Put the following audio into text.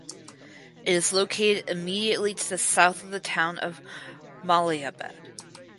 It is located immediately to the south of the town of Malihabad.